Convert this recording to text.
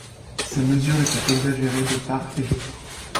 Ces mesures étaient exagérées de part et d’autre.